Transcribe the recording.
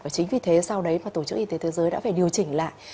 và chính vì thế sau đấy mà tổ chức y tế thế giới đã phải điều chỉnh lại